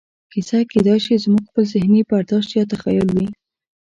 کیسه کېدای شي زموږ خپل ذهني برداشت یا تخیل وي.